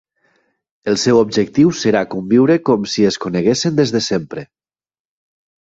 El seu objectiu serà conviure com si es coneguessin des de sempre.